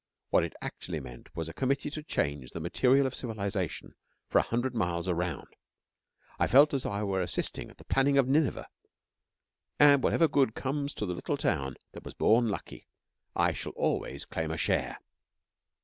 What it actually meant was a committee to change the material of civilisation for a hundred miles around. I felt as though I were assisting at the planning of Nineveh; and whatever of good comes to the little town that was born lucky I shall always claim a share.